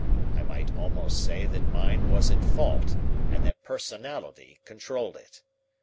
I might almost say that mind was at fault and that personality controlled it.